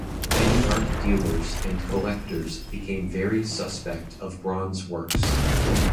Many art dealers and collectors became very suspect of bronze works.